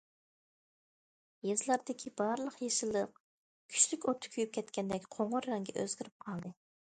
يېزىلاردىكى بارلىق يېشىللىق كۈچلۈك ئوتتا كۆيۈپ كەتكەندەك قوڭۇر رەڭگە ئۆزگىرىپ قالدى.